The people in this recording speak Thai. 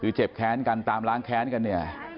คือเจ็บแค้นกันตามล้างแค้นกันเนี่ย